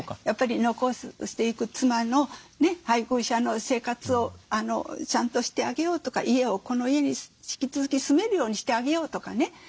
やっぱり残していく妻の配偶者の生活をちゃんとしてあげようとかこの家に引き続き住めるようにしてあげようとかね。